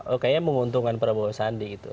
oh kayaknya menguntungkan prabowo sandi itu